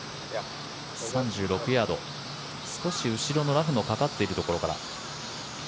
３６ヤード、少し後ろのラフのかかっているところから。